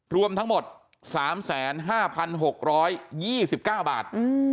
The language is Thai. รวมทั้งหมดสามแสนห้าพันหกร้อยยี่สิบเก้าบาท